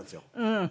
うん。